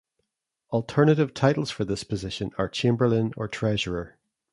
Alternative titles for this position are chamberlain or treasurer.